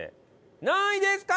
何位ですか？